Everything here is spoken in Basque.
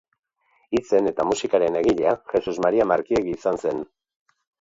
Hitzen eta musikaren egilea Jesus Maria Markiegi izan zen.